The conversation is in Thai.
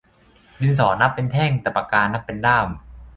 ดินสอนับเป็นแท่ง แต่ปากกานับเป็นด้าม